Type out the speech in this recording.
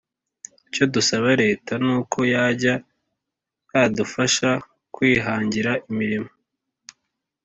icyo dusaba reta nuko yajya yadufasha kwihangira imirimo